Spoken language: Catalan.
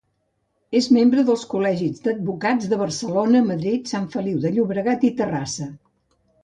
És membre dels Col·legis d'Advocats de Barcelona, Madrid, Sant Feliu de Llobregat i Terrassa.